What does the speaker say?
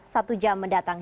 satu jam mendatang